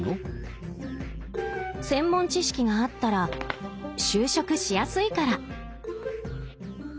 専門知識があったら就職しやすいから。